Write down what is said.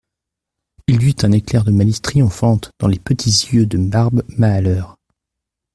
Il y eut un éclair de malice triomphante dans les petits yeux de Barbe Mahaleur.